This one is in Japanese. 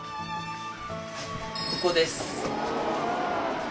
ここです。